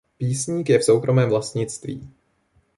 Písník je v soukromém vlastnictví.